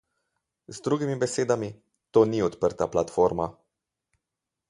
Z drugimi besedami, to ni odprta platforma.